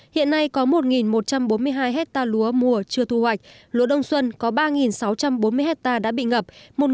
hiện nay có một một trăm bốn mươi hai hectare lúa mùa chưa thu hoạch lúa đông xuân có ba sáu trăm bốn mươi hectare đã bị ngập